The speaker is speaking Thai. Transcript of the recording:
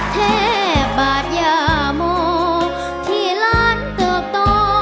เทบบาทยามอที่ล้านเติบต่อ